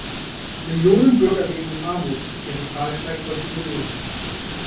Millionen Bürger leben in Armut, und ihre Zahl steigt kontinuierlich.